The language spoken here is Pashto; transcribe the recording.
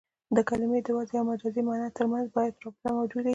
د کلمې د وضعي او مجازي مانا ترمنځ باید یوه رابطه موجوده يي.